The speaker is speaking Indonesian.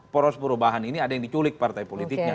poros perubahan ini ada yang diculik partai politiknya